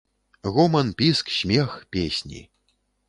Гоман, піск, смех, песні.